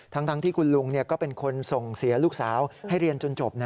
ทั้งที่คุณลุงก็เป็นคนส่งเสียลูกสาวให้เรียนจนจบ